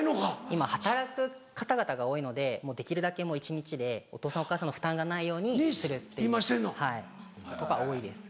今働く方々が多いのでできるだけ一日でお父さんお母さんの負担がないようにする多いです。